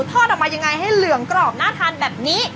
ทอดออกมายังไงให้เหลืองกรอบน่าทานแบบนี้